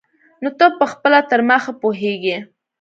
نو ته پخپله تر ما ښه پوهېږي.